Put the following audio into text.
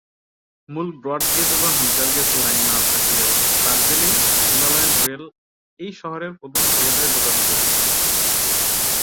মূল broad gauge বা meter gauge line না থাকলেও দার্জিলিং হিমালয়ান রেল এই শহরের প্রধান রেলওয়ে যোগাযোগ ব্যবস্থা।